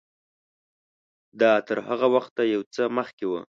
دا تر هغه وخته یو څه مخکې و.